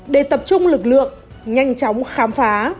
để tập trung lực lượng nhanh chóng khám phá